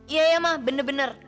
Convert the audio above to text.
iya iya ma bener bener